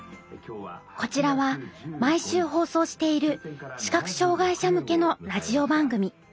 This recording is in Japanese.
こちらは毎週放送している視覚障害者向けのラジオ番組。